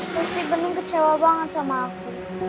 pasti bener kecewa banget sama aku